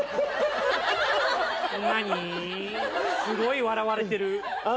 すごい笑われてる。